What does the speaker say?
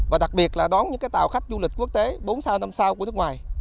và đặc biệt là đón những tàu khách du lịch quốc tế bốn sao năm sao của nước ngoài